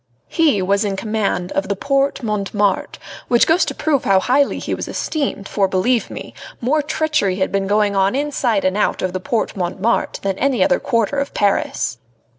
He was in command of the Porte Montmartre, which goes to prove how highly he was esteemed, for, believe me, more treachery had been going on inside and out of the Porte Montmartre than in any other quarter of Paris.